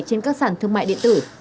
trên các sản thương mại điện tử